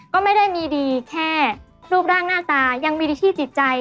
ก็ไม่ได้มีดีแค่รูปร่างหน้าตายังมีในที่จิตใจ